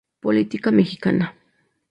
Política mexicana.